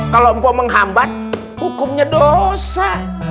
kalau empo menghambat hukumnya dosa